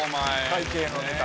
会計のネタ